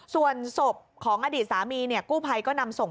ส่วนศพของอดีตสามีกู้ไพรก็นำส่ง